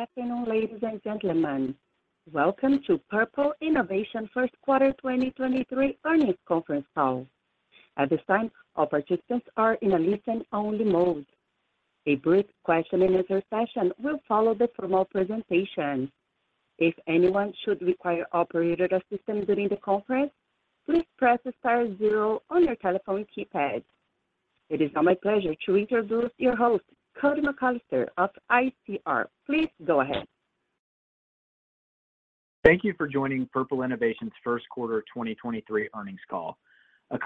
Afternoon, ladies and gentlemen. Welcome to Purple Innovation first quarter 2023 earnings conference call. At this time, all participants are in a listen-only mode. A brief question and answer session will follow the formal presentation. If anyone should require operator assistance during the conference, please press star zero on your telephone keypad. It is now my pleasure to introduce your host, Cody McAlester of ICR. Please go ahead. Thank you for joining Purple Innovation's first quarter 2023 earnings call. A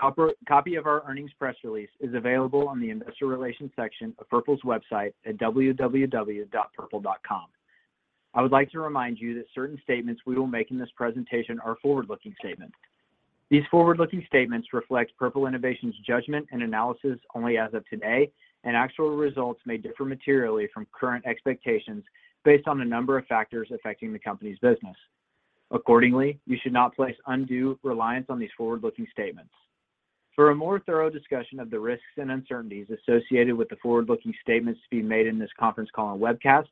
copy of our earnings press release is available on the investor relations section of Purple's website at www.purple.com. I would like to remind you that certain statements we will make in this presentation are forward-looking statements. These forward-looking statements reflect Purple Innovation's judgment and analysis only as of today, and actual results may differ materially from current expectations based on a number of factors affecting the company's business. Accordingly, you should not place undue reliance on these forward-looking statements. For a more thorough discussion of the risks and uncertainties associated with the forward-looking statements to be made in this conference call and webcast,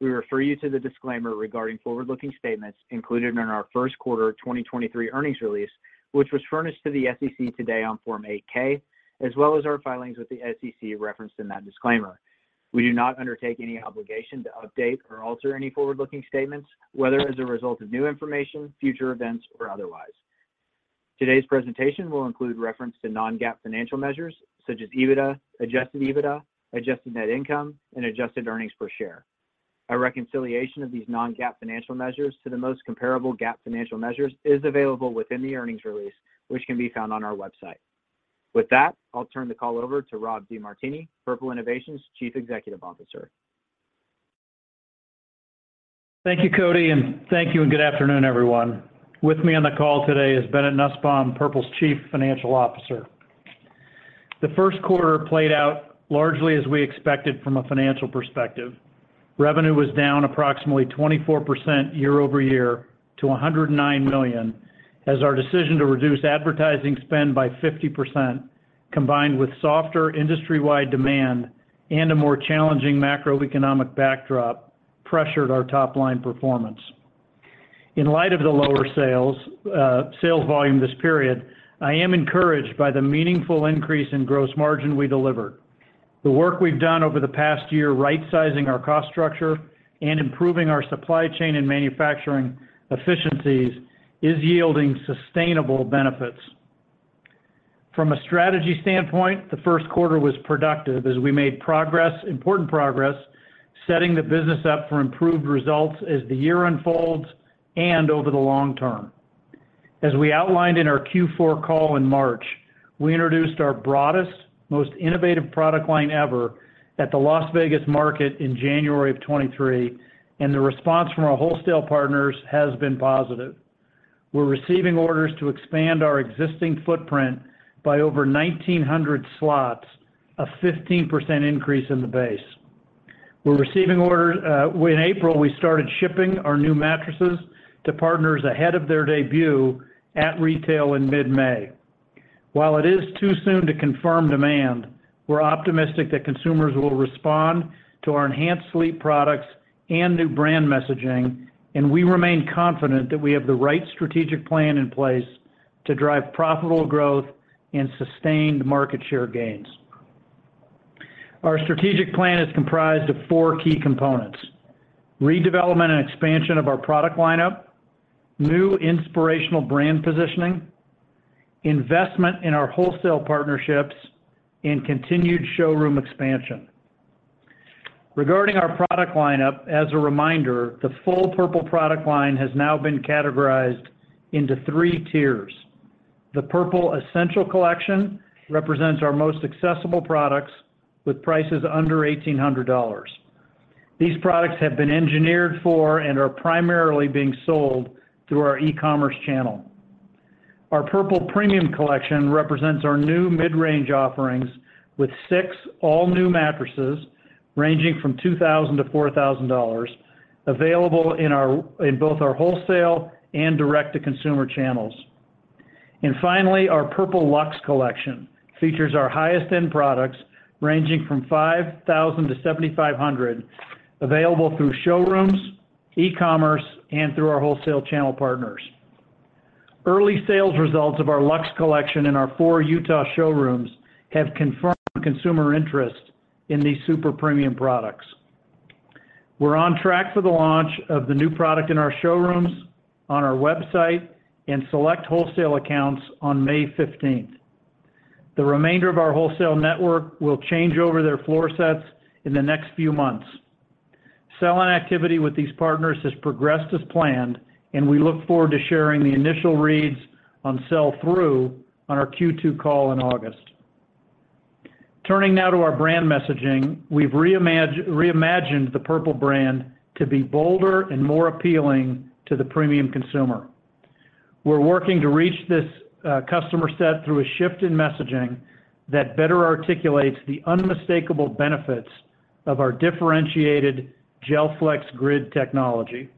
we refer you to the disclaimer regarding forward-looking statements included in our first quarter 2023 earnings release, which was furnished to the SEC today on Form 8-K, as well as our filings with the SEC referenced in that disclaimer. We do not undertake any obligation to update or alter any forward-looking statements, whether as a result of new information, future events, or otherwise. Today's presentation will include reference to non-GAAP financial measures such as EBITDA, adjusted EBITDA, adjusted net income, and adjusted earnings per share. A reconciliation of these non-GAAP financial measures to the most comparable GAAP financial measures is available within the earnings release, which can be found on our website. With that, I'll turn the call over to Rob DeMartini, Purple Innovation's Chief Executive Officer. Thank you, Cody McAlester, thank you and good afternoon, everyone. With me on the call today is Bennett Nussbaum, Purple's Chief Financial Officer. The first quarter played out largely as we expected from a financial perspective. Revenue was down approximately 24% year-over-year to $109 million, as our decision to reduce advertising spend by 50%, combined with softer industry-wide demand and a more challenging macroeconomic backdrop pressured our top-line performance. In light of the lower sales volume this period, I am encouraged by the meaningful increase in gross margin we delivered. The work we've done over the past year, right-sizing our cost structure and improving our supply chain and manufacturing efficiencies, is yielding sustainable benefits. From a strategy standpoint, the first quarter was productive as we made progress, important progress, setting the business up for improved results as the year unfolds and over the long term. As we outlined in our Q4 call in March, we introduced our broadest, most innovative product line ever at the Las Vegas market in January of 2023, the response from our wholesale partners has been positive. We're receiving orders to expand our existing footprint by over 1,900 slots, a 15% increase in the base. We're receiving orders. In April, we started shipping our new mattresses to partners ahead of their debut at retail in mid-May. While it is too soon to confirm demand, we're optimistic that consumers will respond to our enhanced sleep products and new brand messaging. We remain confident that we have the right strategic plan in place to drive profitable growth and sustained market share gains. Our strategic plan is comprised of four key components: redevelopment and expansion of our product lineup, new inspirational brand positioning, investment in our wholesale partnerships, continued showroom expansion. Regarding our product lineup, as a reminder, the full Purple product line has now been categorized into three tiers. The Purple Essential Collection represents our most accessible products with prices under $1,800. These products have been engineered for and are primarily being sold through our e-commerce channel. Our Purple Premium Collection represents our new mid-range offerings with 6 all-new mattresses ranging from $2,000-$4,000 available in both our wholesale and direct-to-consumer channels. Finally, our Purple Luxe Collection features our highest-end products ranging from $5,000-$7,500, available through showrooms, e-commerce, and through our wholesale channel partners. Early sales results of our Luxe Collection in our 4 Utah showrooms have confirmed consumer interest in these super premium products. We're on track for the launch of the new product in our showrooms, on our website, and select wholesale accounts on May 15th. The remainder of our wholesale network will change over their floor sets in the next few months. Sell-in activity with these partners has progressed as planned, and we look forward to sharing the initial reads on sell-through on our Q2 call in August. Turning now to our brand messaging, we've reimagined the Purple brand to be bolder and more appealing to the premium consumer. We're working to reach this customer set through a shift in messaging that better articulates the unmistakable benefits of our differentiated GelFlex Grid technology.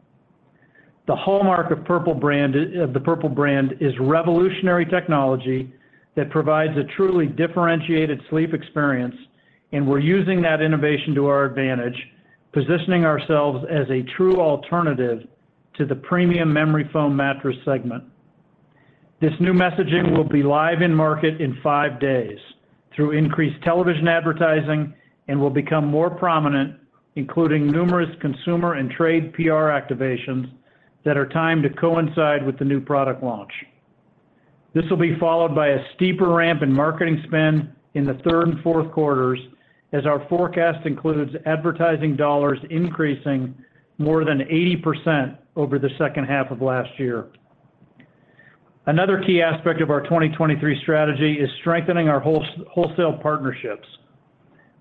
The hallmark of the Purple brand is revolutionary technology that provides a truly differentiated sleep experience, and we're using that innovation to our advantage, positioning ourselves as a true alternative to the premium memory foam mattress segment. This new messaging will be live in market in five days through increased television advertising and will become more prominent, including numerous consumer and trade PR activations that are timed to coincide with the new product launch. This will be followed by a steeper ramp in marketing spend in the third and fourth quarters as our forecast includes advertising dollars increasing more than 80% over the second half of last year. Another key aspect of our 2023 strategy is strengthening our wholesale partnerships.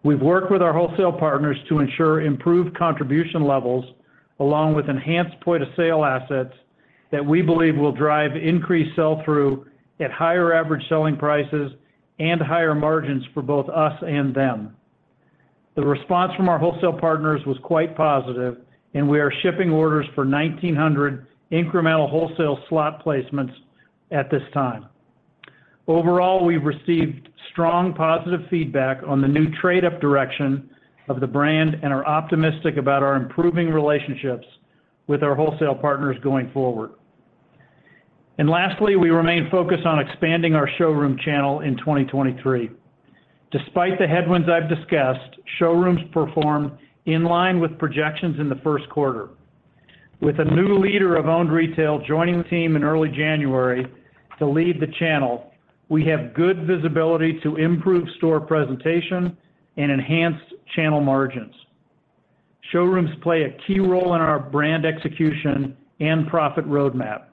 We've worked with our wholesale partners to ensure improved contribution levels along with enhanced point of sale assets that we believe will drive increased sell-through at higher average selling prices and higher margins for both us and them. The response from our wholesale partners was quite positive, and we are shipping orders for 1,900 incremental wholesale slot placements at this time. Overall, we've received strong positive feedback on the new trade-up direction of the brand and are optimistic about our improving relationships with our wholesale partners going forward. Lastly, we remain focused on expanding our showroom channel in 2023. Despite the headwinds I've discussed, showrooms performed in line with projections in the first quarter. With a new leader of owned retail joining the team in early January to lead the channel, we have good visibility to improve store presentation and enhance channel margins. Showrooms play a key role in our brand execution and profit roadmap.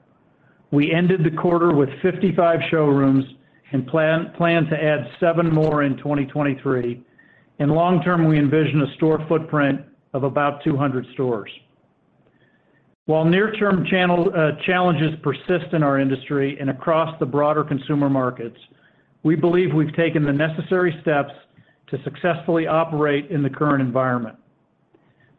We ended the quarter with 55 showrooms and plan to add 7 more in 2023. In long term, we envision a store footprint of about 200 stores. While near-term channel challenges persist in our industry and across the broader consumer markets, we believe we've taken the necessary steps to successfully operate in the current environment.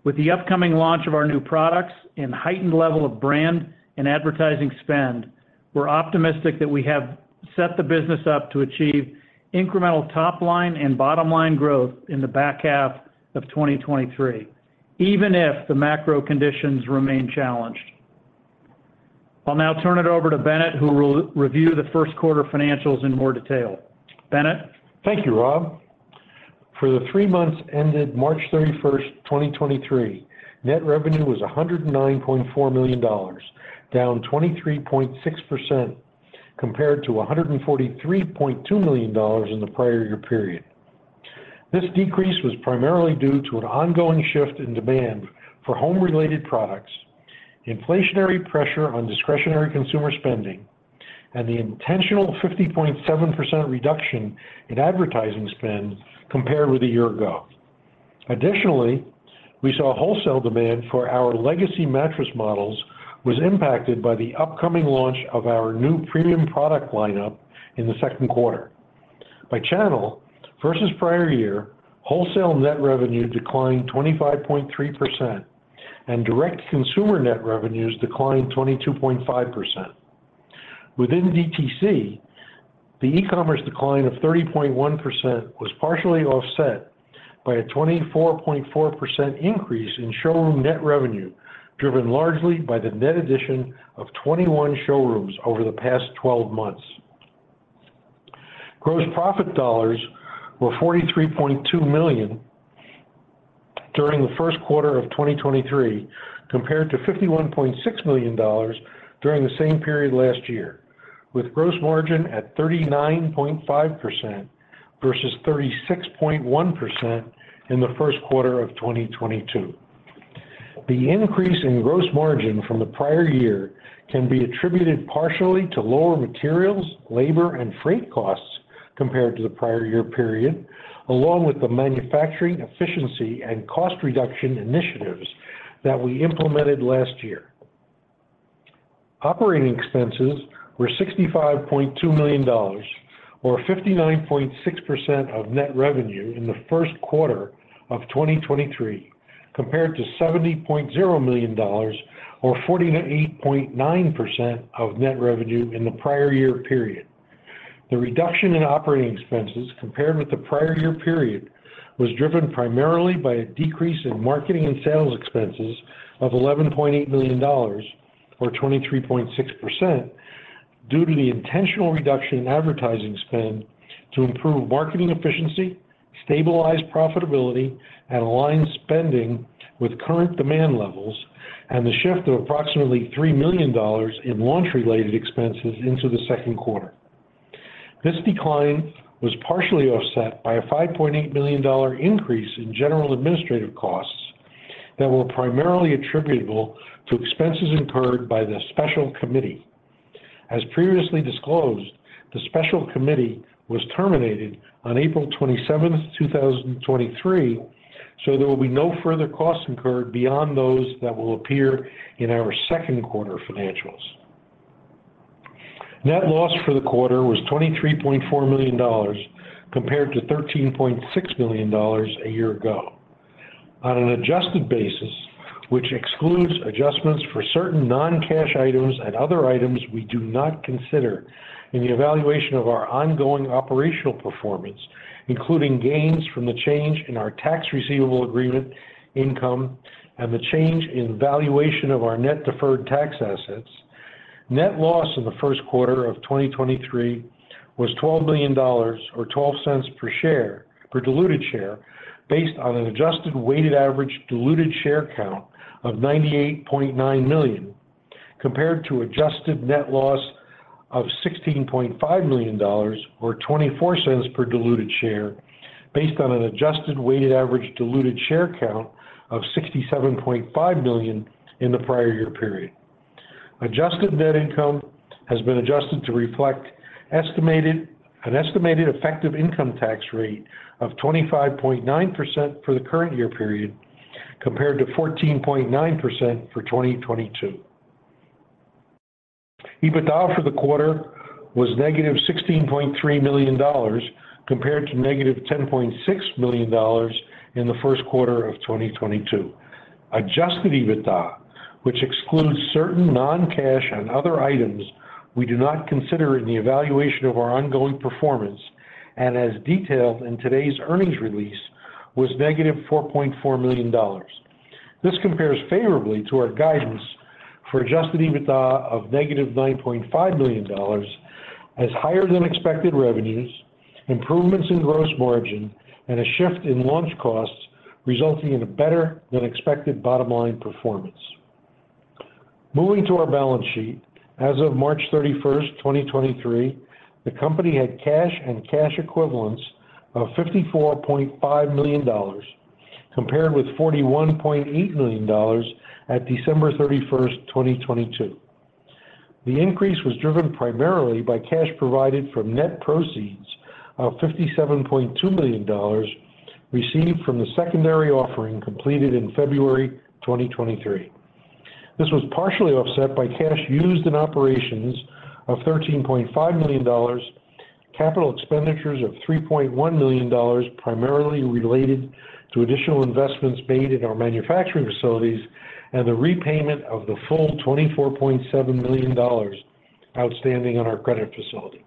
With the upcoming launch of our new products and heightened level of brand and advertising spend, we're optimistic that we have set the business up to achieve incremental top line and bottom line growth in the back half of 2023, even if the macro conditions remain challenged. I'll now turn it over to Bennett, who will review the first quarter financials in more detail. Bennett? Thank you, Rob. For the three months ended March 31, 2023, net revenue was $109.4 million, down 23.6% compared to $143.2 million in the prior year period. This decrease was primarily due to an ongoing shift in demand for home-related products, inflationary pressure on discretionary consumer spending, and the intentional 50.7% reduction in advertising spend compared with a year ago. We saw wholesale demand for our legacy mattress models was impacted by the upcoming launch of our new premium product lineup in the second quarter. By channel, versus prior year, wholesale net revenue declined 25.3% and direct consumer net revenues declined 22.5%. Within DTC, the e-commerce decline of 30.1% was partially offset by a 24.4% increase in showroom net revenue, driven largely by the net addition of 21 showrooms over the past 12 months. Gross profit dollars were $43.2 million during the first quarter of 2023, compared to $51.6 million during the same period last year, with gross margin at 39.5% versus 36.1% in the first quarter of 2022. The increase in gross margin from the prior year can be attributed partially to lower materials, labor, and freight costs compared to the prior year period, along with the manufacturing efficiency and cost reduction initiatives that we implemented last year. Operating expenses were $65.2 million or 59.6% of net revenue in the first quarter of 2023, compared to $70.0 million or 48.9% of net revenue in the prior year period. The reduction in operating expenses compared with the prior year period was driven primarily by a decrease in marketing and sales expenses of $11.8 million or 23.6% due to the intentional reduction in advertising spend to improve marketing efficiency, stabilize profitability, and align spending with current demand levels and the shift of approximately $3 million in launch-related expenses into the second quarter. This decline was partially offset by a $5.8 million increase in general administrative costs that were primarily attributable to expenses incurred by the Special Committee. As previously disclosed, the Special Committee was terminated on April 27, 2023. There will be no further costs incurred beyond those that will appear in our second quarter financials. Net loss for the quarter was $23.4 million compared to $13.6 million a year ago. On an adjusted basis, which excludes adjustments for certain non-cash items and other items we do not consider in the evaluation of our ongoing operational performance, including gains from the change in our tax receivable agreement income and the change in valuation of our net deferred tax assets. Net loss in the first quarter of 2023 was $12 million or $0.12 per share, per diluted share based on an adjusted weighted average diluted share count of 98.9 million compared to adjusted net loss of $16.5 million or $0.24 per diluted share based on an adjusted weighted average diluted share count of 67.5 million in the prior year period. Adjusted net income has been adjusted to reflect an estimated effective income tax rate of 25.9% for the current year period compared to 14.9% for 2022. EBITDA for the quarter was negative $16.3 million compared to negative $10.6 million in the first quarter of 2022. Adjusted EBITDA, which excludes certain non-cash and other items we do not consider in the evaluation of our ongoing performance and as detailed in today's earnings release, was -$4.4 million. This compares favorably to our guidance for adjusted EBITDA of -$9.5 million as higher than expected revenues, improvements in gross margin, and a shift in launch costs resulting in a better than expected bottom line performance. Moving to our balance sheet. As of March 31, 2023, the company had cash and cash equivalents of $54.5 million, compared with $41.8 million at December 31, 2022. The increase was driven primarily by cash provided from net proceeds of $57.2 million received from the secondary offering completed in February 2023. This was partially offset by cash used in operations of $13.5 million, capital expenditures of $3.1 million, primarily related to additional investments made in our manufacturing facilities, and the repayment of the full $24.7 million outstanding on our credit facility.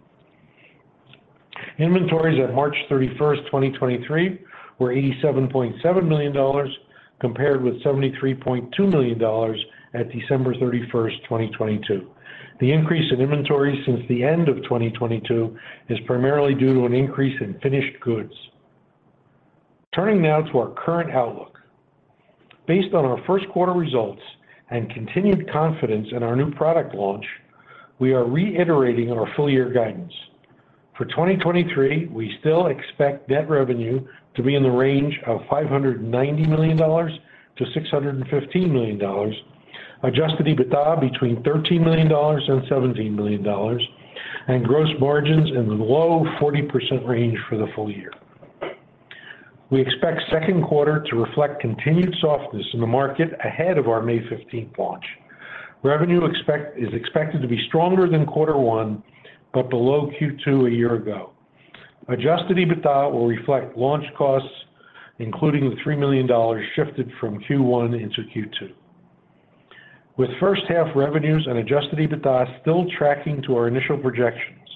Inventories at March 31st, 2023 were $87.7 million compared with $73.2 million at December 31st, 2022. The increase in inventories since the end of 2022 is primarily due to an increase in finished goods. Turning now to our current outlook. Based on our first quarter results and continued confidence in our new product launch, we are reiterating our full year guidance. For 2023, we still expect net revenue to be in the range of $590 million-$615 million, adjusted EBITDA between $13 million and $17 million, and gross margins in the low 40% range for the full year. We expect second quarter to reflect continued softness in the market ahead of our May 15th launch. Revenue is expected to be stronger than quarter one, but below Q2 a year ago. adjusted EBITDA will reflect launch costs, including the $3 million shifted from Q1 into Q2. With first half revenues and adjusted EBITDA still tracking to our initial projections,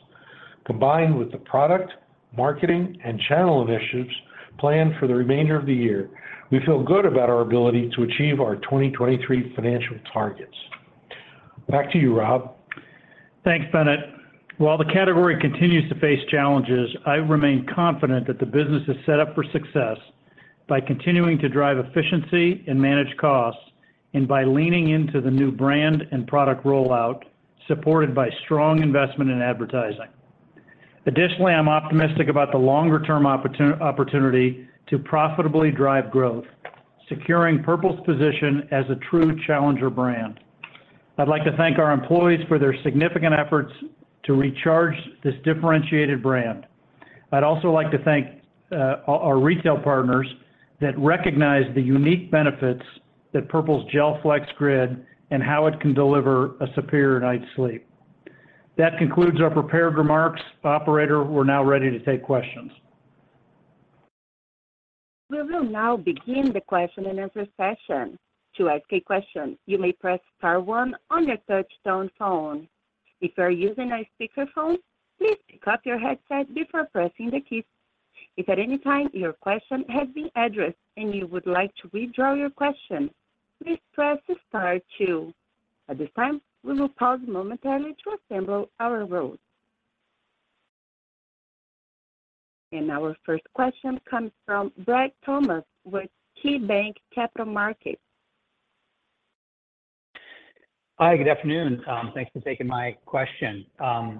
combined with the product, marketing, and channel initiatives planned for the remainder of the year, we feel good about our ability to achieve our 2023 financial targets. Back to you, Rob. Thanks, Bennett. While the category continues to face challenges, I remain confident that the business is set up for success by continuing to drive efficiency and manage costs, and by leaning into the new brand and product rollout, supported by strong investment in advertising. I'm optimistic about the longer term opportunity to profitably drive growth, securing Purple's position as a true challenger brand. I'd like to thank our employees for their significant efforts to recharge this differentiated brand. I'd also like to thank our retail partners that recognize the unique benefits that Purple's GelFlex Grid and how it can deliver a superior night's sleep. That concludes our prepared remarks. Operator, we're now ready to take questions. We will now begin the question and answer session. To ask a question, you may press star one on your touch tone phone. If you're using a speakerphone, please pick up your headset before pressing the keys. If at any time your question has been addressed and you would like to withdraw your question, please press star two. At this time, we will pause momentarily to assemble our rolls. Our first question comes from Brad Thomas with KeyBanc Capital Markets. Hi. Good afternoon. Thanks for taking my question. I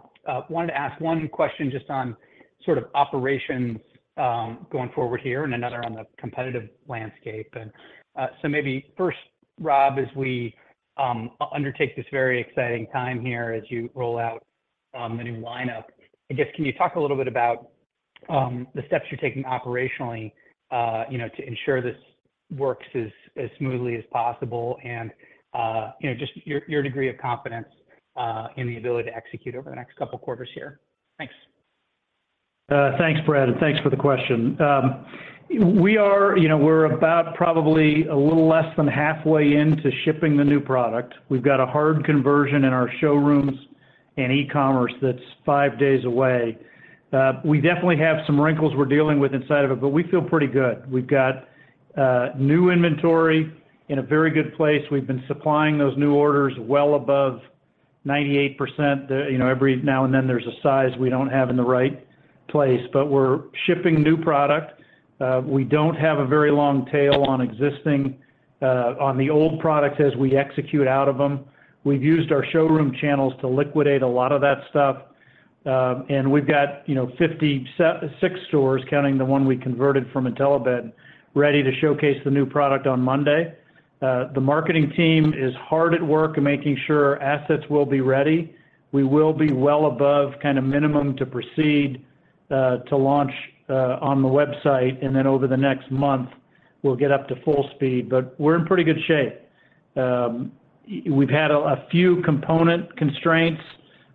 wanted to ask 1 question just on sort of operations, going forward here and another on the competitive landscape. Maybe first, Rob, as we undertake this very exciting time here as you roll out the new lineup, I guess, can you talk a little about the steps you're taking operationally, you know, to ensure this works as smoothly as possible and, you know, just your degree of confidence in the ability to execute over the next 2 quarters here. Thanks. Thanks Brad, thanks for the question. You know, we're about probably a little less than halfway into shipping the new product. We've got a hard conversion in our showrooms and e-commerce that's 5 days away. We definitely have some wrinkles we're dealing with inside of it, we feel pretty good. We've got new inventory in a very good place. We've been supplying those new orders well above 98%. You know, every now and then there's a size we don't have in the right place, but we're shipping new product. We don't have a very long tail on existing on the old product as we execute out of them. We've used our showroom channels to liquidate a lot of that stuff. We've got, you know, 56 stores counting the one we converted from Intellibed ready to showcase the new product on Monday. The marketing team is hard at work making sure assets will be ready. We will be well above kind of minimum to proceed to launch on the website, and then over the next month we'll get up to full speed. We're in pretty good shape. We've had a few component constraints.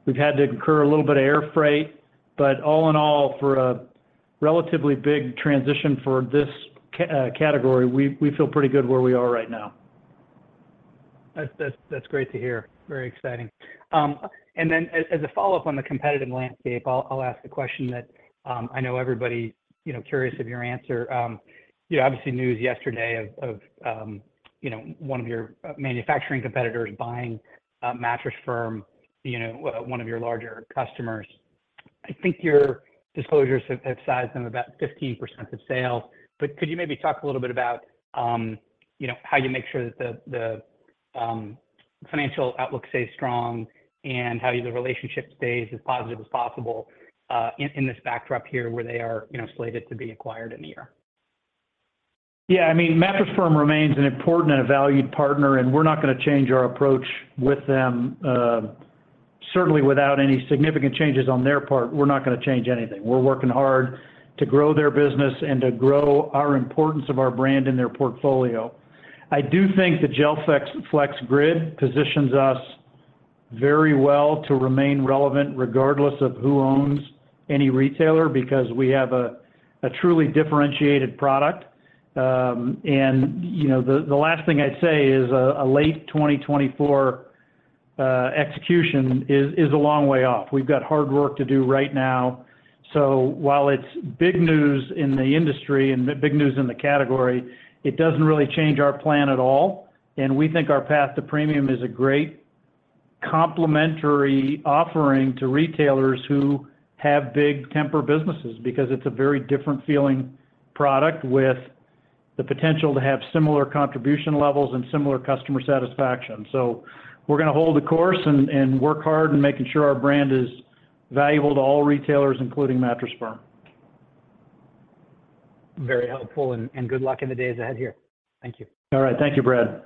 We've had to incur a little bit of air freight, but all in all, for a relatively big transition for this category, we feel pretty good where we are right now. That's great to hear. Very exciting. Then as a follow-up on the competitive landscape, I'll ask a question that I know everybody, you know, curious of your answer. You know, obviously news yesterday of one of your manufacturing competitors buying Mattress Firm, you know, one of your larger customers. I think your disclosures have sized them about 15% of sales. Could you maybe talk a little bit about, you know, how you make sure that the financial outlook stays strong and how the relationship stays as positive as possible in this backdrop here where they are, you know, slated to be acquired in a year? Yeah. I mean, Mattress Firm remains an important and a valued partner, and we're not gonna change our approach with them. Certainly without any significant changes on their part, we're not gonna change anything. We're working hard to grow their business and to grow our importance of our brand in their portfolio. I do think the GelFlex Grid positions us very well to remain relevant regardless of who owns any retailer, because we have a truly differentiated product. You know, the last thing I'd say is a late 2024 execution is a long way off. We've got hard work to do right now. While it's big news in the industry and big news in the category, it doesn't really change our plan at all, and we think our path to premium is a great complementary offering to retailers who have big Tempur-Pedic businesses because it's a very different feeling product with the potential to have similar contribution levels and similar customer satisfaction. We're gonna hold the course and work hard in making sure our brand is valuable to all retailers, including Mattress Firm. Very helpful. Good luck in the days ahead here. Thank you. All right. Thank you, Brad.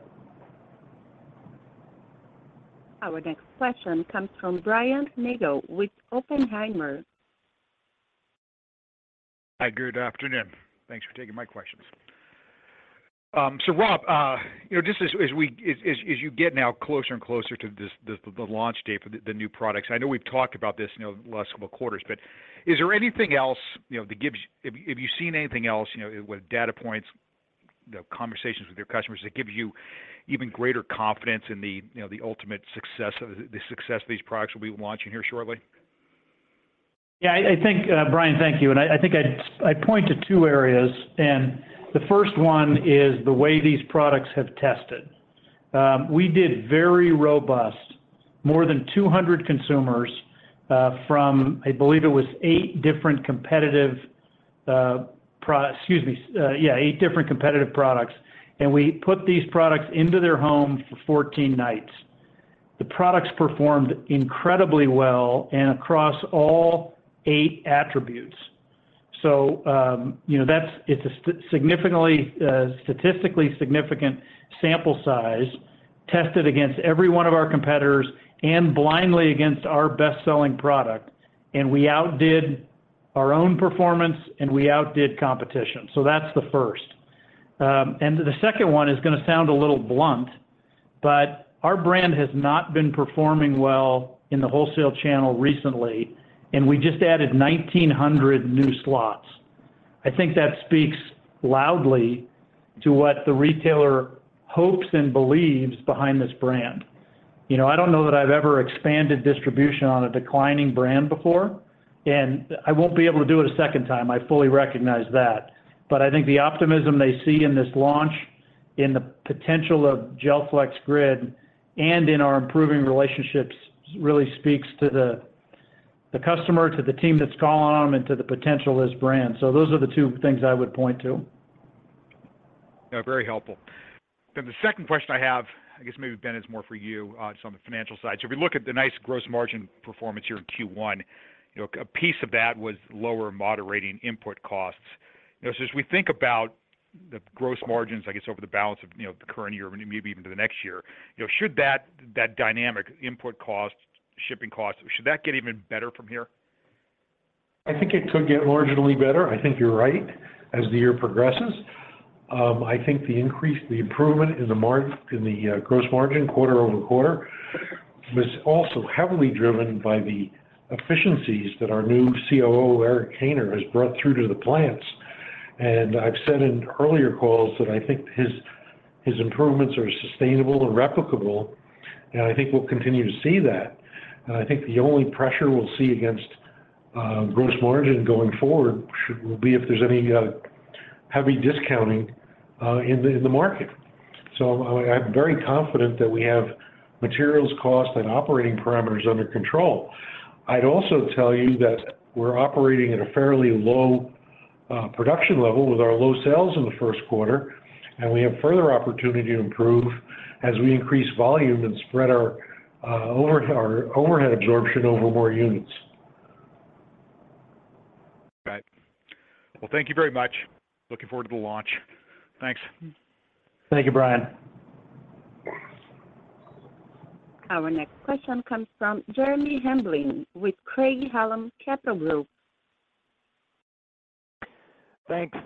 Our next question comes from Brian Nagel with Oppenheimer. Hi, good afternoon. Thanks for taking my questions. Rob, you know, just as you get now closer and closer to the launch date for the new products, I know we've talked about this, you know, the last couple of quarters, Have you seen anything else, you know, with data points, you know, conversations with your customers that give you even greater confidence in the, you know, the ultimate success of these products we'll be launching here shortly? I think, Brian, thank you. I think I'd point to two areas, and the first one is the way these products have tested. We did very robust more than 200 consumers, from, I believe it was eight different competitive, excuse me, yeah, eight different competitive products, and we put these products into their home for 14 nights. The products performed incredibly well and across all eight attributes. You know, it's a significantly, statistically significant sample size tested against every one of our competitors and blindly against our best-selling product, and we outdid our own performance, and we outdid competition. That's the first. The second one is going to sound a little blunt, but our brand has not been performing well in the wholesale channel recently, and we just added 1,900 new slots. I think that speaks loudly to what the retailer hopes and believes behind this brand. You know, I don't know that I've ever expanded distribution on a declining brand before, and I won't be able to do it a second time. I fully recognize that. I think the optimism they see in this launch, in the potential of GelFlex Grid and in our improving relationships really speaks to the customer, to the team that's calling on them, and to the potential of this brand. Those are the two things I would point to. Yeah. Very helpful. The second question I have, I guess maybe Ben, it's more for you, it's on the financial side. If you look at the nice gross margin performance here in Q1, you know, a piece of that was lower moderating input costs. You know, as we think about the gross margins, I guess, over the balance of, you know, the current year and maybe even to the next year, you know, should that dynamic input cost, shipping costs, should that get even better from here? I think it could get marginally better. I think you're right as the year progresses. I think the improvement in the gross margin quarter-over-quarter was also heavily driven by the efficiencies that our new COO, Eric Haynor, has brought through to the plants. I've said in earlier calls that I think his improvements are sustainable and replicable, and I think we'll continue to see that. I think the only pressure we'll see against gross margin going forward will be if there's any heavy discounting in the market. I'm very confident that we have materials cost and operating parameters under control. I'd also tell you that we're operating at a fairly low, production level with our low sales in the first quarter, and we have further opportunity to improve as we increase volume and spread our overhead absorption over more units. Right. Well, thank you very much. Looking forward to the launch. Thanks. Thank you, Brian. Our next question comes from Jeremy Hamblin with Craig-Hallum Capital Group. Thanks,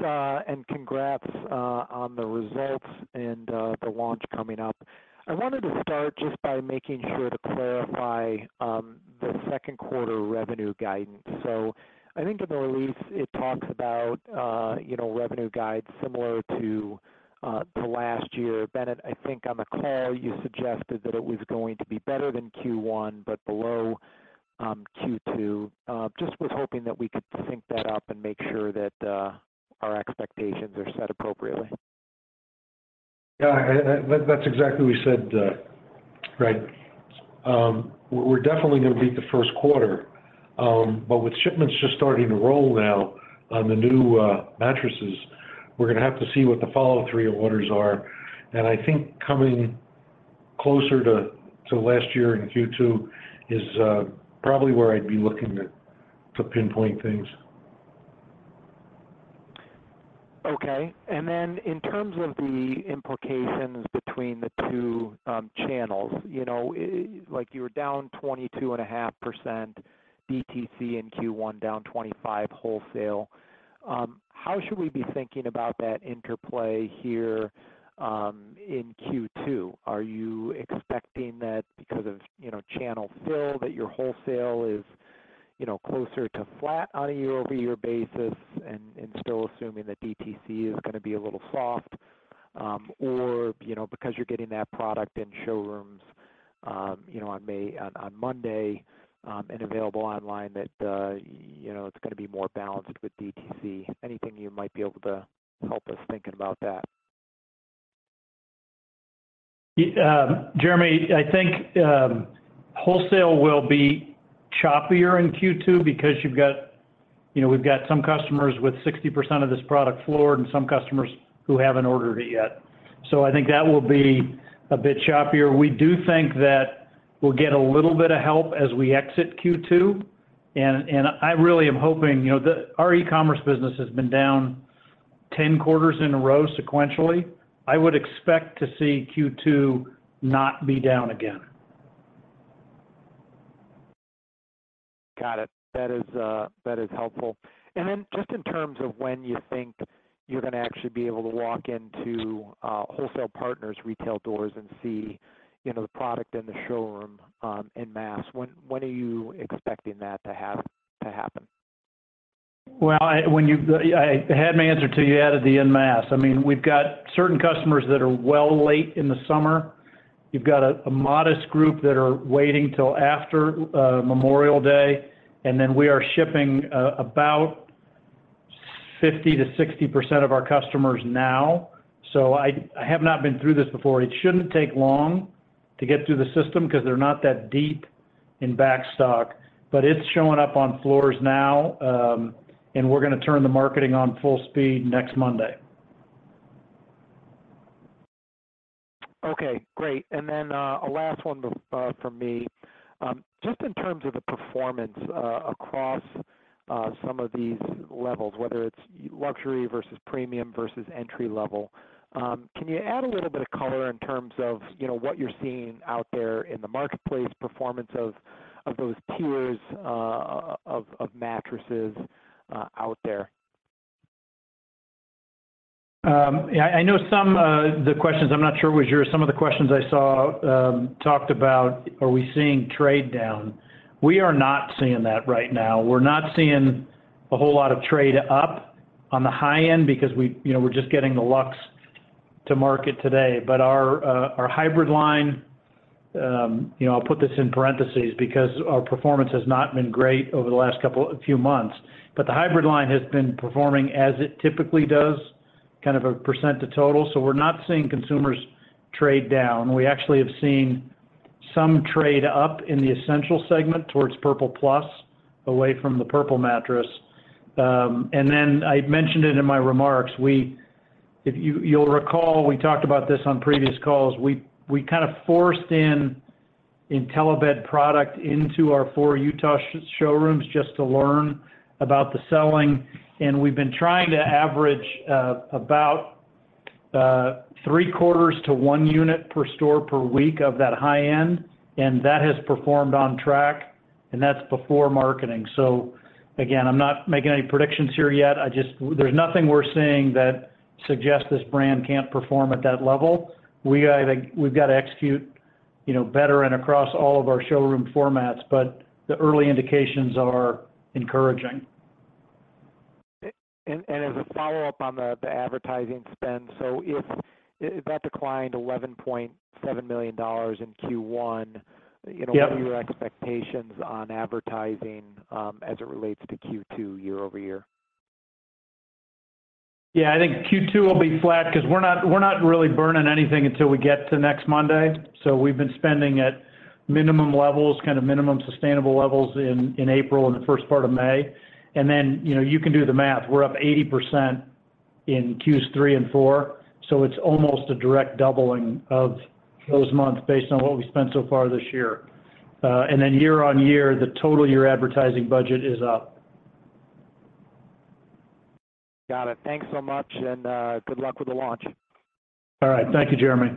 congrats on the results and the launch coming up. I wanted to start just by making sure to clarify the second quarter revenue guidance. I think in the release it talks about, you know, revenue guide similar to last year. Bennett, I think on the call, you suggested that it was going to be better than Q1, but below Q2. Just was hoping that we could sync that up and make sure that our expectations are set appropriately. Yeah, that's exactly we said, Greg. We're definitely gonna beat the first quarter. With shipments just starting to roll now on the new mattresses, we're gonna have to see what the follow-through orders are. I think coming closer to last year in Q2 is probably where I'd be looking at to pinpoint things. Okay. In terms of the implications between the two channels, you know, like you were down 22.5% DTC in Q1, down 25% wholesale. How should we be thinking about that interplay here in Q2? Are you expecting that because of, you know, channel fill, that your wholesale is, you know, closer to flat on a year-over-year basis and still assuming that DTC is gonna be a little soft? Or, you know, because you're getting that product in showrooms, you know, on Monday, and available online that, you know, it's gonna be more balanced with DTC. Anything you might be able to help us think about that? Yeah, Jeremy, I think wholesale will be choppier in Q2 because you've got, you know, we've got some customers with 60% of this product floored and some customers who haven't ordered it yet. I think that will be a bit choppier. We do think that we'll get a little bit of help as we exit Q2, and I really am hoping, you know. Our e-commerce business has been down 10 quarters in a row sequentially. I would expect to see Q2 not be down again. Got it. That is helpful. Just in terms of when you think you're gonna actually be able to walk into wholesale partners' retail doors and see, you know, the product in the showroom, en masse, when are you expecting that to happen? Well, I had my answer till you added the en masse. I mean, we've got certain customers that are well late in the summer. You've got a modest group that are waiting till after Memorial Day. We are shipping about 50% to 60% of our customers now. I have not been through this before. It shouldn't take long to get through the system 'cause they're not that deep in backstock, but it's showing up on floors now. We're gonna turn the marketing on full speed next Monday. Okay, great. A last one from me. Just in terms of the performance across some of these levels, whether it's luxury versus premium versus entry-level, can you add a little bit of color in terms of, you know, what you're seeing out there in the marketplace performance of those tiers of mattresses out there? Yeah, I know some the questions. I'm not sure it was yours. Some of the questions I saw, talked about, are we seeing trade down? We are not seeing that right now. We're not seeing a whole lot of trade up on the high end because we, you know, we're just getting the Luxe to market today. Our hybrid line, you know, I'll put this in parentheses because our performance has not been great over the last few months. The hybrid line has been performing as it typically does, kind of a percent to total. We're not seeing consumers trade down. We actually have seen some trade up in the Essential segment towards Purple Plus away from the Purple Mattress. Then I mentioned it in my remarks. If you'll recall, we talked about this on previous calls. We kind of forced Intellibed product into our four Utah showrooms just to learn about the selling. We've been trying to average about three-quarters to one unit per store per week of that high end, and that has performed on track, and that's before marketing. Again, I'm not making any predictions here yet. There's nothing we're seeing that suggests this brand can't perform at that level. We, I think, we've got to execute, you know, better and across all of our showroom formats, the early indications are encouraging. As a follow-up on the advertising spend, that declined $11.7 million in Q1. Yep... you know, what are your expectations on advertising, as it relates to Q2 year-over-year? Yeah. I think Q2 will be flat because we're not really burning anything until we get to next Monday. We've been spending at minimum levels, kind of minimum sustainable levels in April and the first part of May. Then, you know, you can do the math. We're up 80% in Q3 and Q4, so it's almost a direct doubling of those months based on what we spent so far this year. Then year-over-year, the total year advertising budget is up. Got it. Thanks so much, and good luck with the launch. All right. Thank you, Jeremy.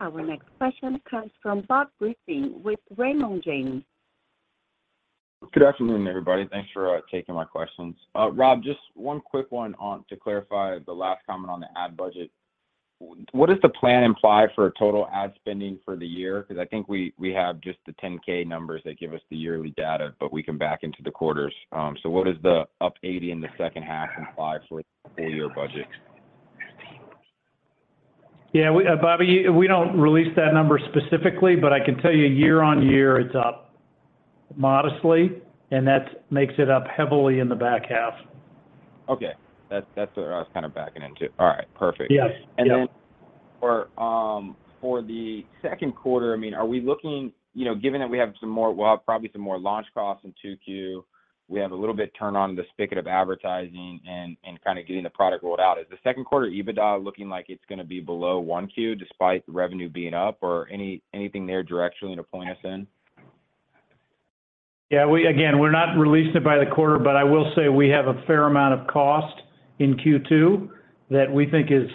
Our next question comes from Bob Griffin with Raymond James. Good afternoon, everybody. Thanks for taking my questions. Rob, just one quick one to clarify the last comment on the ad budget. What does the plan imply for total ad spending for the year? Because I think we have just the 10-K numbers that give us the yearly data, but we can back into the quarters. What is the up 80 in the second half imply for the full year budget? Yeah. We, Bobby, we don't release that number specifically, but I can tell you year-on-year it's up modestly, and that makes it up heavily in the back half. Okay. That's what I was kind of backing into. All right, perfect. Yes. Yep. For the second quarter, I mean, are we looking, you know, given that we'll have probably some more launch costs in 2Q, we have a little bit turn on the spigot of advertising and kind of getting the product rolled out. Is the second quarter EBITDA looking like it's gonna be below 1Q despite the revenue being up? Anything there directionally to point us in? Yeah. Again, we're not releasing it by the quarter, but I will say we have a fair amount of cost in Q2 that we think is,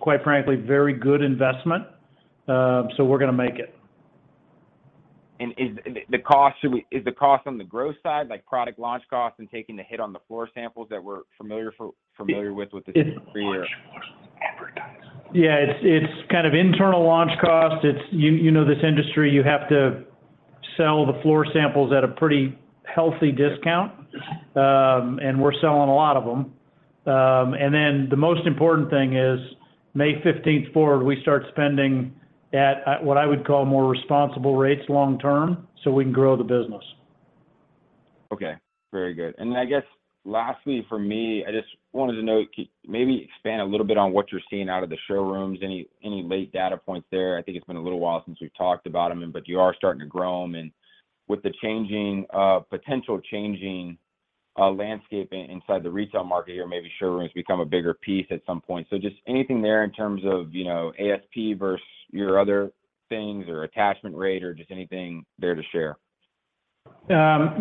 quite frankly, very good investment, so we're gonna make it. Is the cost, I mean, is the cost on the growth side, like product launch costs and taking the hit on the floor samples that we're familiar with the different 3 year... Yeah. It's kind of internal launch cost. You know this industry. You have to sell the floor samples at a pretty healthy discount, and we're selling a lot of them. The most important thing is May 15th forward, we start spending at what I would call more responsible rates long term, so we can grow the business. Okay. Very good. I guess lastly for me, I just wanted to know, maybe expand a little bit on what you're seeing out of the showrooms. Any late data points there? I think it's been a little while since we've talked about them but you are starting to grow them. With the changing potential changing landscape inside the retail market here, maybe showrooms become a bigger piece at some point. Just anything there in terms of, you know, ASP versus your other things or attachment rate or just anything there to share? No.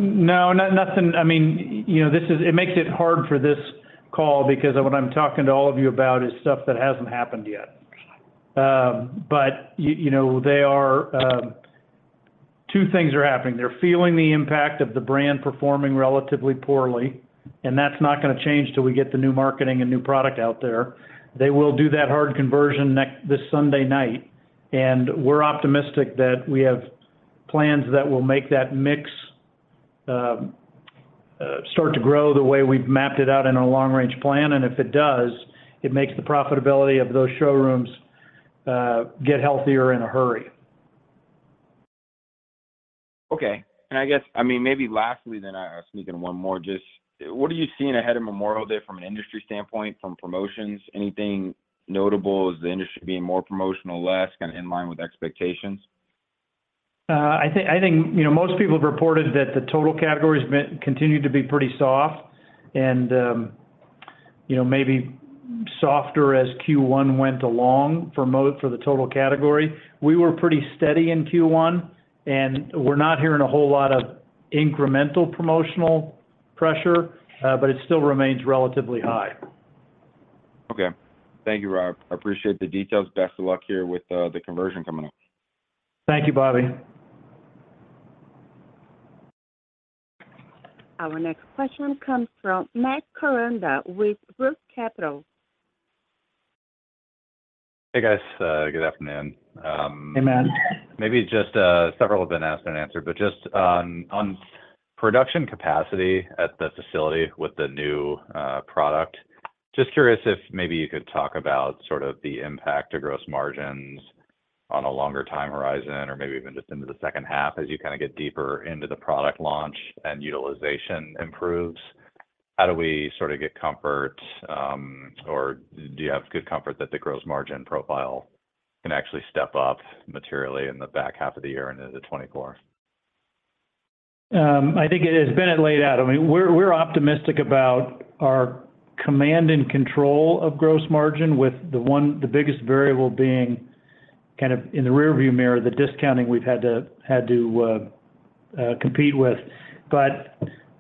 Nothing. I mean, you know, it makes it hard for this call because what I'm talking to all of you about is stuff that hasn't happened yet. But you know, they are. Two things are happening. They're feeling the impact of the brand performing relatively poorly, and that's not gonna change till we get the new marketing and new product out there. They will do that hard conversion this Sunday night, and we're optimistic that we have plans that will make that mix start to grow the way we've mapped it out in our long-range plan. If it does, it makes the profitability of those showrooms get healthier in a hurry. Okay. I mean, maybe lastly then I'll sneak in one more. Just what are you seeing ahead of Memorial Day from an industry standpoint, from promotions? Anything notable? Is the industry being more promotional, less, kind of in line with expectations? I think, you know, most people have reported that the total category's continued to be pretty soft and, you know, maybe softer as Q1 went along for the total category. We were pretty steady in Q1. We're not hearing a whole lot of incremental promotional pressure. It still remains relatively high. Okay. Thank you, Rob. I appreciate the details. Best of luck here with the conversion coming up. Thank you, Bobby. Our next question comes from Matt Koranda with ROTH Capital Partners. Hey, guys. Good afternoon. Hey, Matt. Maybe just, several have been asked and answered, but just on production capacity at the facility with the new, product. Just curious if maybe you could talk about sort of the impact to gross margins on a longer time horizon or maybe even just into the second half as you kind of get deeper into the product launch and utilization improves. How do we sort of get comfort, or do you have good comfort that the gross margin profile can actually step up materially in the back half of the year and into 2024? I think it is. Bennett laid out. I mean, we're optimistic about our command and control of gross margin with the biggest variable being kind of in the rearview mirror, the discounting we've had to compete with.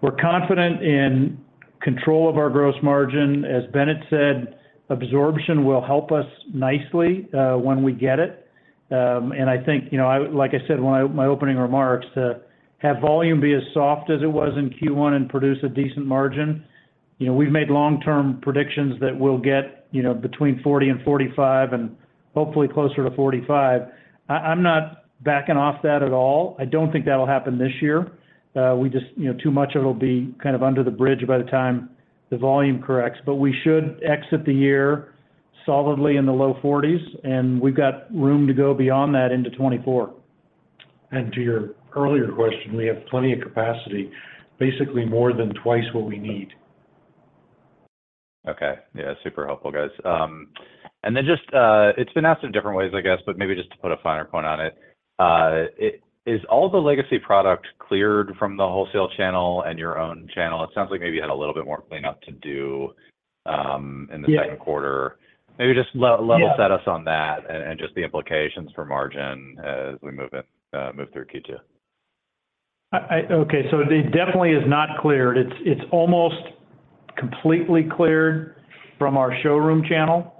We're confident in control of our gross margin. As Bennett said, absorption will help us nicely when we get it. I think, you know, like I said in my opening remarks, to have volume be as soft as it was in Q1 and produce a decent margin, you know, we've made long-term predictions that we'll get, you know, between 40% and 45%, and hopefully closer to 45%. I'm not backing off that at all. I don't think that'll happen this year. We just, you know, too much of it will be kind of under the bridge by the time the volume corrects, but we should exit the year solidly in the low forties, and we've got room to go beyond that into 2024. To your earlier question, we have plenty of capacity, basically more than twice what we need. Okay. Yeah, super helpful, guys. It's been asked in different ways, I guess, but maybe just to put a finer point on it. Is all the legacy product cleared from the wholesale channel and your own channel? It sounds like maybe you had a little bit more cleanup to do, in the second quarter. Yeah. Maybe just level. Yeah... set us on that and just the implications for margin as we move in, move through Q2. Okay. It definitely is not cleared. It's almost completely cleared from our showroom channel.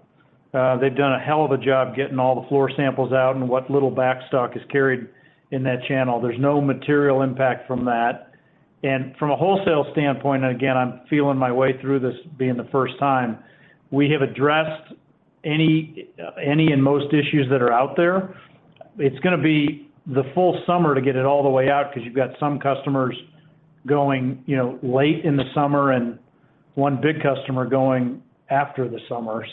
They've done a hell of a job getting all the floor samples out and what little backstock is carried in that channel. There's no material impact from that. From a wholesale standpoint, and again, I'm feeling my way through this being the first time, we have addressed any and most issues that are out there. It's gonna be the full summer to get it all the way out 'cause you've got some customers going, you know, late in the summer and one big customer going after the summer.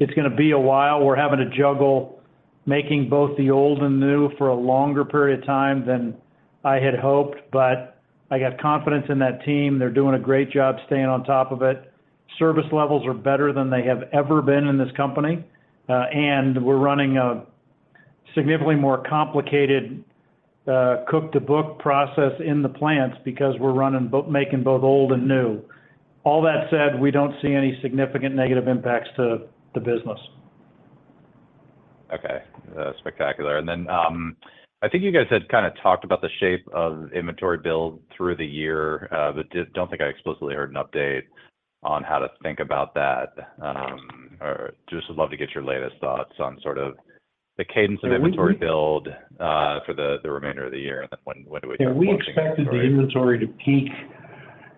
It's gonna be a while. We're having to juggle making both the old and new for a longer period of time than I had hoped, but I got confidence in that team. They're doing a great job staying on top of it. Service levels are better than they have ever been in this company. We're running a significantly more complicated cook the book process in the plants because we're making both old and new. All that said, we don't see any significant negative impacts to the business. Okay. spectacular. I think you guys had kind of talked about the shape of inventory build through the year, but don't think I explicitly heard an update on how to think about that. Would love to get your latest thoughts on sort of the cadence of inventory build? We, we-... for the remainder of the year and then when do we expect watching the inventory. We expected the inventory to peak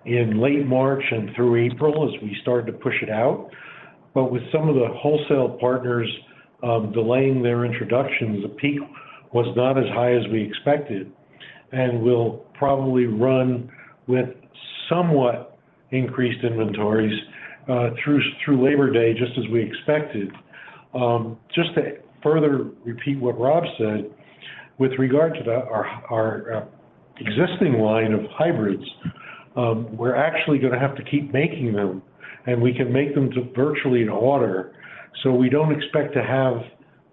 in late March and through April as we started to push it out. With some of the wholesale partners delaying their introductions, the peak was not as high as we expected, and we'll probably run with somewhat increased inventories through Labor Day, just as we expected. Just to further repeat what Rob said, with regard to our existing line of hybrids, we're actually gonna have to keep making them, and we can make them to virtually to order, so we don't expect to have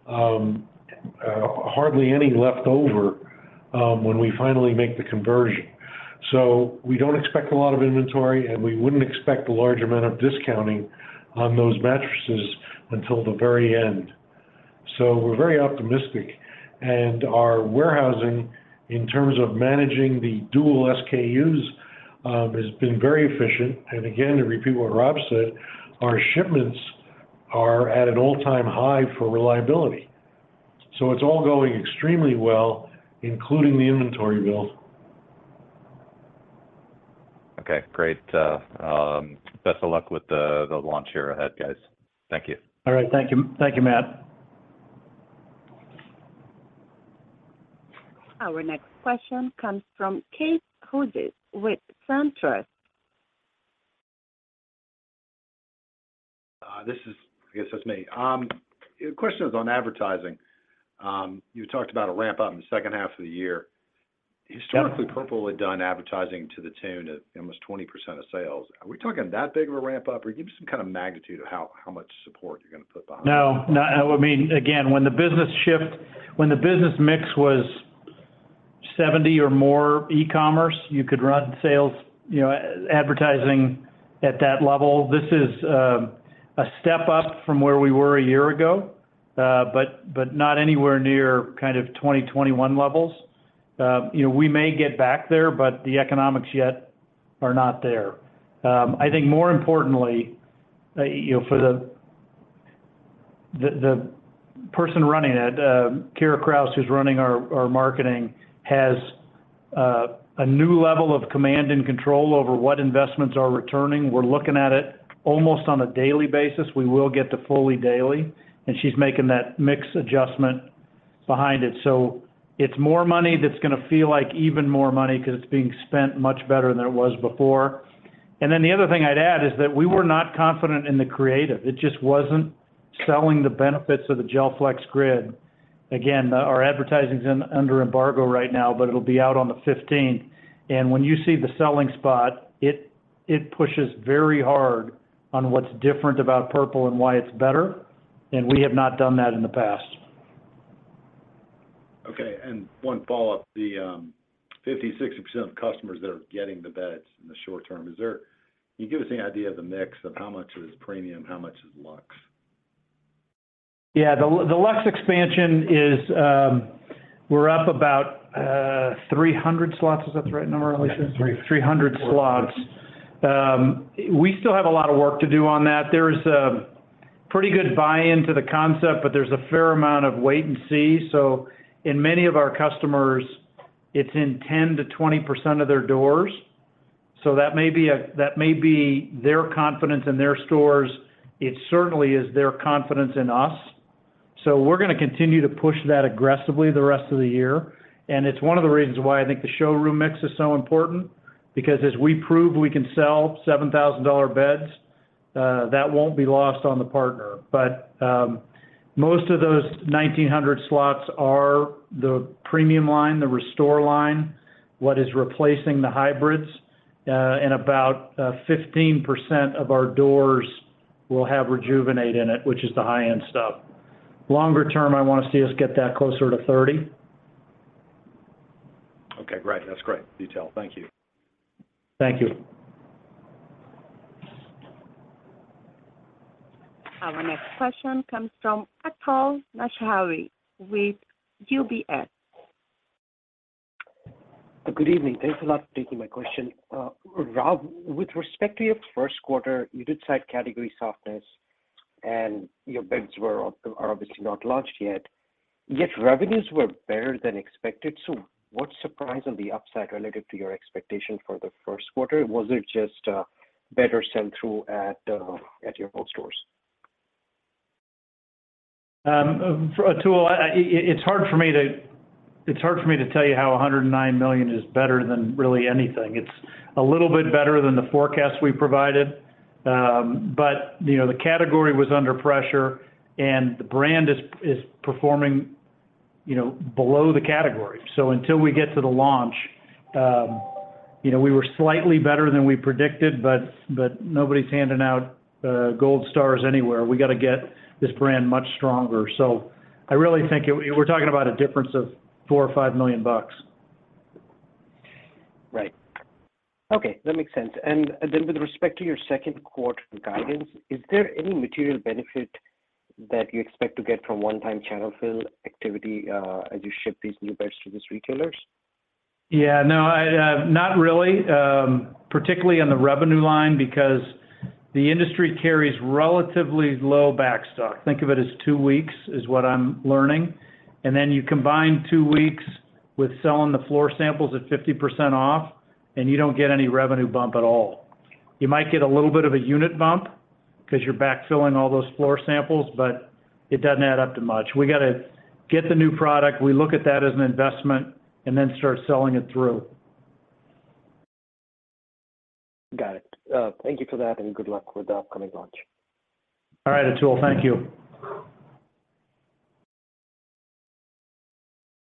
hardly any left over when we finally make the conversion. We don't expect a lot of inventory, and we wouldn't expect a large amount of discounting on those mattresses until the very end. We're very optimistic, and our warehousing in terms of managing the dual SKUs, has been very efficient. Again, to repeat what Rob said, our shipments are at an all-time high for reliability. It's all going extremely well, including the inventory build. Okay, great. Best of luck with the launch here ahead, guys. Thank you. All right. Thank you. Thank you, Matt. Our next question comes from Keith Hughes with Truist. This is... I guess that's me. Question is on advertising. You talked about a ramp up in the second half of the year. Yeah. Historically, Purple had done advertising to the tune of almost 20% of sales. Are we talking that big of a ramp up? Give me some kind of magnitude of how much support you're gonna put behind it. No. No. I mean, again, when the business mix was 70 or more e-commerce, you could run sales, you know, advertising at that level. This is a step up from where we were a year ago, but not anywhere near kind of 2020, 2021 levels. You know, we may get back there, the economics yet are not there. I think more importantly, you know, for the person running it, Keira Krausz, who's running our marketing, has a new level of command and control over what investments are returning. We're looking at it almost on a daily basis. We will get to fully daily, she's making that mix adjustment behind it. It's more money that's gonna feel like even more money 'cause it's being spent much better than it was before. The other thing I'd add is that we were not confident in the creative. It just wasn't selling the benefits of the GelFlex Grid. Again, our advertising's in under embargo right now, but it'll be out on the fifteenth. When you see the selling spot, it pushes very hard on what's different about Purple and why it's better, and we have not done that in the past. Okay, one follow-up. The 50%, 60% of customers that are getting the beds in the short-term. Can you give us any idea of the mix of how much is premium, how much is luxe? Yeah. The luxe expansion is, we're up about 300 slots. Is that the right number, Alicia? Yeah. Three. 300 slots. We still have a lot of work to do on that. There is a pretty good buy-in to the concept, but there's a fair amount of wait and see. In many of our customers, it's in 10%-20% of their doors. That may be their confidence in their stores. It certainly is their confidence in us. We're gonna continue to push that aggressively the rest of the year, and it's one of the reasons why I think the showroom mix is so important because as we prove we can sell $7,000 beds, that won't be lost on the partner. Most of those 1,900 slots are the premium line, the Restore line, what is replacing the hybrids. About 15% of our doors will have Rejuvenate in it, which is the high-end stuff. Longer term, I wanna see us get that closer to 30. Okay, great. That's great detail. Thank you. Thank you. Our next question comes from Atul Maheswari with UBS. Good evening. Thanks a lot for taking my question. Rob, with respect to your first quarter, you did cite category softness and your beds are obviously not launched yet revenues were better than expected. What surprised on the upside relative to your expectation for the first quarter? Was it just better send through at your whole stores? Atul Maheshwari, it's hard for me to tell you how $109 million is better than really anything. It's a little bit better than the forecast we provided. You know, the category was under pressure and the brand is performing, you know, below the category. Until we get to the launch, you know, we were slightly better than we predicted, but nobody's handing out gold stars anywhere. We gotta get this brand much stronger. I really think we're talking about a difference of $4 million-$5 million. Right. Okay, that makes sense. With respect to your second quarter guidance, is there any material benefit that you expect to get from one-time channel fill activity, as you ship these new beds to these retailers? No, I, not really, particularly on the revenue line because the industry carries relatively low back stock. Think of it as 2 weeks, is what I'm learning. Then you combine 2 weeks with selling the floor samples at 50% off, and you don't get any revenue bump at all. You might get a little bit of a unit bump because you're back filling all those floor samples, but it doesn't add up to much. We gotta get the new product. We look at that as an investment and then start selling it through. Got it. Thank you for that, and good luck with the upcoming launch. All right, Atul. Thank you.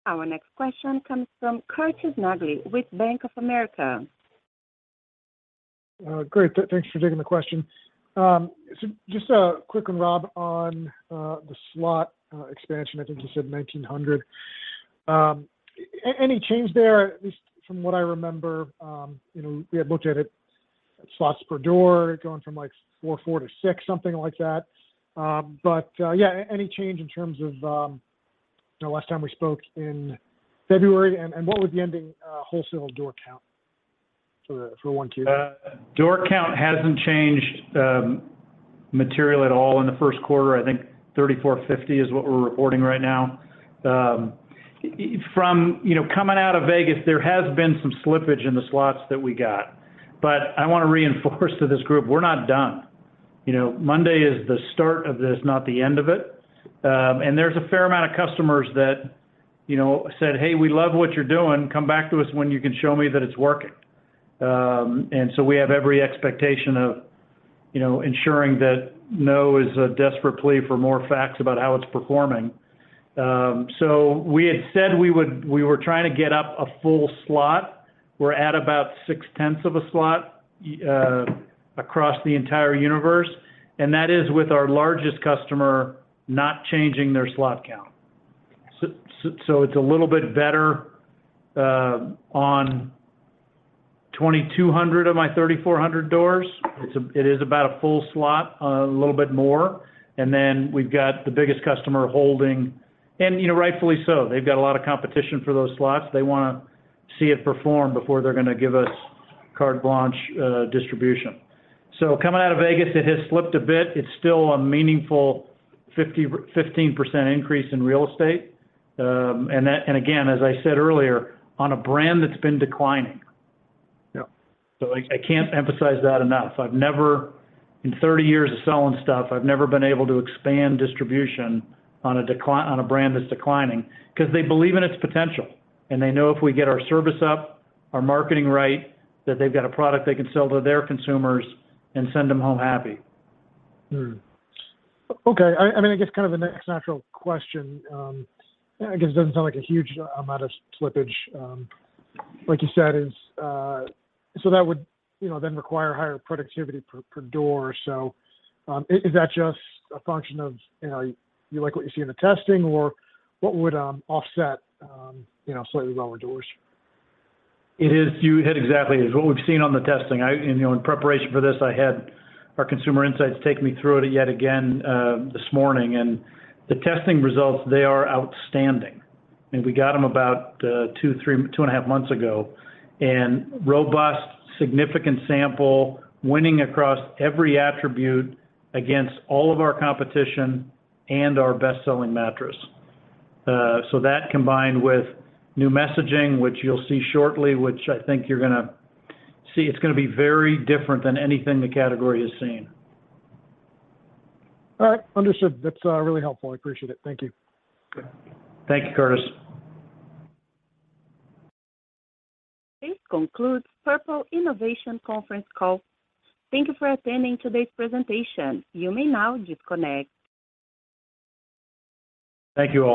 Our next question comes from Curtis Nagle with Bank of America. Great. Thanks for taking the question. Just a quick one, Rob, on the slot expansion. I think you said 1,900. Any change there? At least from what I remember, you know, we had looked at it, slots per door going from like 4 to 6, something like that. Yeah, any change in terms of, you know, last time we spoke in February? What was the ending wholesale door count for 1Q? Door count hasn't changed, material at all in the first quarter. I think 3,450 is what we're reporting right now. You know, coming out of Vegas, there has been some slippage in the slots that we got. I wanna reinforce to this group, we're not done. You know, Monday is the start of this, not the end of it. There's a fair amount of customers that, you know, said, "Hey, we love what you're doing. Come back to us when you can show me that it's working." We have every expectation of, you know, ensuring that no is a desperate plea for more facts about how it's performing. We had said we were trying to get up a full slot. We're at about 0.6 of a slot across the entire universe, that is with our largest customer not changing their slot count. It's a little bit better on 2,200 of my 3,400 doors. It's about a full slot, a little bit more. We've got the biggest customer holding. You know, rightfully so. They've got a lot of competition for those slots. They wanna see it perform before they're gonna give us carte blanche distribution. Coming out of Vegas, it has slipped a bit. It's still a meaningful 15% increase in real estate. Again, as I said earlier, on a brand that's been declining. Yeah. I can't emphasize that enough. I've never, in 30 years of selling stuff, I've never been able to expand distribution on a brand that's declining. Because they believe in its potential, and they know if we get our service up, our marketing right, that they've got a product they can sell to their consumers and send them home happy. Okay. I mean, I guess kind of the next natural question, I guess it doesn't sound like a huge amount of slippage, like you said, is. That would, you know, then require higher productivity per door. Is that just a function of, you know, you like what you see in the testing or what would offset, you know, slightly lower doors? It is... You hit exactly. It's what we've seen on the testing. You know, in preparation for this, I had our consumer insights take me through it yet again this morning. The testing results, they are outstanding. I mean, we got them about two and a half months ago. Robust, significant sample, winning across every attribute against all of our competition and our best-selling mattress. So that combined with new messaging, which you'll see shortly, which I think you're gonna see, it's gonna be very different than anything the category has seen. All right. Understood. That's really helpful. I appreciate it. Thank you. Thank you, Curtis. This concludes Purple Innovation Conference Call. Thank you for attending today's presentation. You may now disconnect. Thank you all.